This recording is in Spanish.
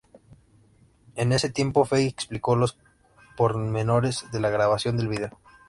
En ese tiempo Fey explico los pormenores de la grabación del vídeo.